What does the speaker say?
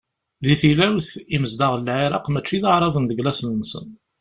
Di tilawt, imezdaɣ n Lεiraq, mačči d Aεraben deg laṣel-nsen.